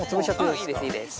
うんいいですいいです。